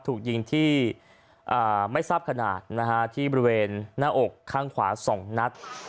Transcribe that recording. ถูกยิงที่ไม่ทราบขนาดที่บริเวณหน้าอกข้างขวา๒นัด